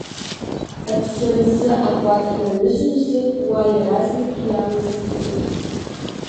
Аӡсаразы акәата уаҩызамзар, уа иаразнак иаауҵыҵуеит!